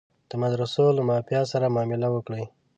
د مدرسو له مافیا سره معامله وکړي.